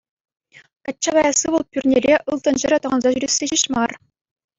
Качча каясси вӑл пӳрнере ылтӑн ҫӗрӗ тӑхӑнса ҫӳресси ҫеҫ мар.